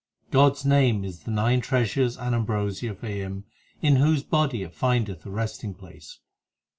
1 God s name is the nine treasures and ambrosia For him in whose body it findeth a resting place.